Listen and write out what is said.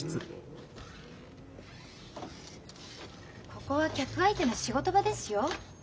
ここは客相手の仕事場ですよ。